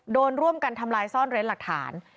โดนร่วมกันทำลายซ่อนเร้นหลักฐาน